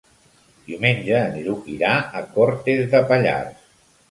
Diumenge en Lluc irà a Cortes de Pallars.